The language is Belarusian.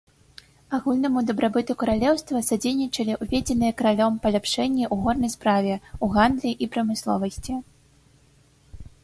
Агульнаму дабрабыту каралеўства садзейнічалі ўведзеныя каралём паляпшэння ў горнай справе, у гандлі і прамысловасці.